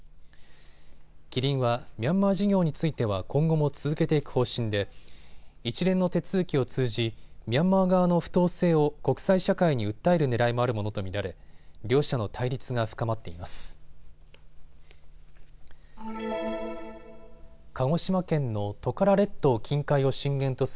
キリンはミャンマー事業については今後も続けていく方針で一連の手続きを通じミャンマー側の不当性を国際社会に訴えるねらいもあるものと見られ、両社の対立が深まっています。